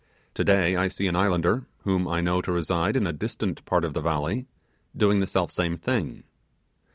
Today I see an islander, whom I know to reside in a distant part of the valley, doing the self same thing.